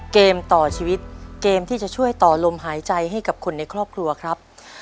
เกมต่อชีวิตเกมที่จะช่วยต่อลมหายใจให้กับคนในครอบครัวครับ